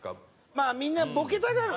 まあみんなボケたがる。